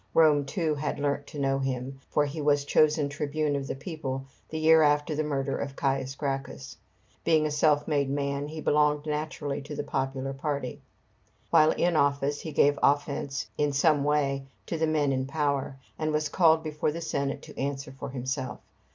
Rome, too, had learnt to know him, for he was chosen tribune of the people the year after the murder of Caius Gracchus. Being a self made man, he belonged naturally to the popular party. While in office he gave offence in some way to the men in power, and was called before the Senate to answer for himself.